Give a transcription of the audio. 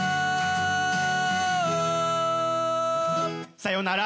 「さよなら」